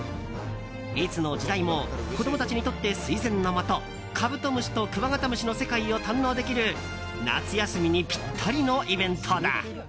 いつの時代も子供たちにとって垂涎の的カブトムシとクワガタムシの世界を堪能できる夏休みにぴったりのイベントだ。